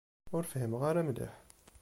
Ur fhimeɣ ara mliḥ.